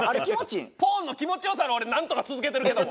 「ポーン！」の気持ち良さで俺なんとか続けてるけども。